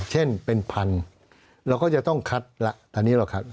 เช่นเป็นพันเราก็จะต้องคัดละตอนนี้เราคัด